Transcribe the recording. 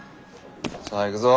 さあ行くぞ。